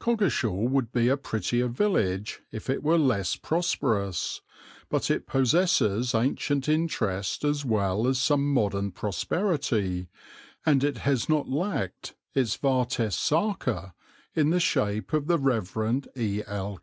Coggeshall would be a prettier village if it were less prosperous, but it possesses ancient interest as well as some modern prosperity, and it has not lacked its vates sacer in the shape of the Rev. E. L.